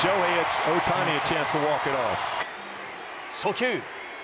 初球。